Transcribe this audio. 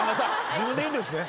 自分で言うんですね？